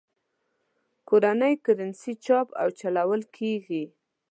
کورنۍ کرنسي چاپ او چلول کېږي.